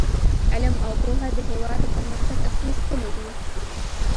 علم او پوهه د هیواد د پرمختګ اصلي ستنې دي.